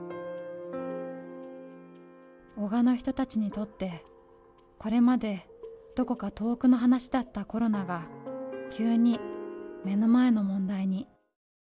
男鹿の人たちにとってこれまでどこか遠くの話だったコロナが急に目の前の問題に。